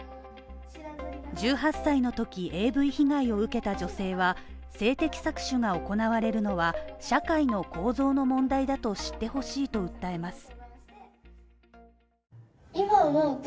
１８歳のときＡＶ被害を受けた女性は性的搾取が行われるのは、社会の構造の問題だと知ってほしいと訴えます。